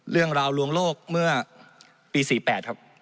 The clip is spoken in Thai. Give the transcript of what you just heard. เรื่องราวลวงโลกเมื่อปี๔๘ครับ